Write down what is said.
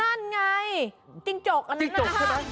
นั่นไงจิงจกอันนั้นนะคะจิงจกใช่มั้ย